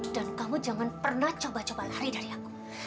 dan kamu jangan pernah coba coba lari dari aku